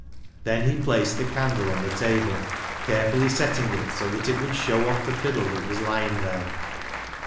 Then he placed the candle on the table, carefully setting it so that it would show off the fiddle that was lying there.